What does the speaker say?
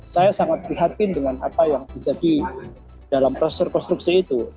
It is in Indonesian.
saya sangat prihatin dengan apa yang terjadi dalam proses rekonstruksi itu